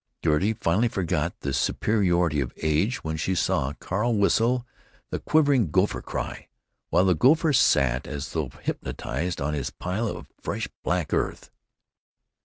Gertie finally forgot the superiority of age when she saw Carl whistle the quivering gopher cry, while the gopher sat as though hypnotized on his pile of fresh black earth.